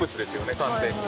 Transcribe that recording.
完全に。